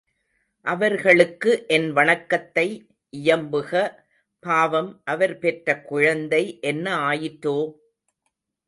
அவர்களுக்கு என் வணக்கத்தை இயம்புக பாவம் அவர் பெற்ற குழந்தை என்ன ஆயிற்றோ!